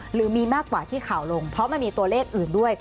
หรือมีมากกว่าที่ข่าวลงเพราะมันมีตัวเลขอื่นด้วย